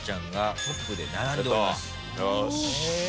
よし。